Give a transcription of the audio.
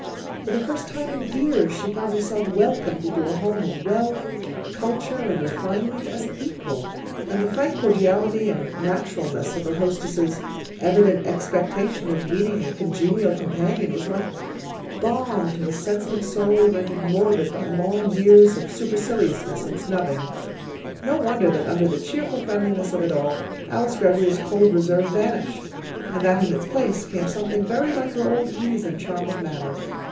For the first time in years she found herself welcomed into a home of wealth, culture, and refinement as an equal; and the frank cordiality and naturalness of her hostess's evident expectation of meeting a congenial companion was like balm to a sensitive soul rendered morbid by long years of superciliousness and snubbing. No wonder that under the cheery friendliness of it all, Alice Greggory's cold reserve vanished, and that in its place came something very like her old ease and charm of manner.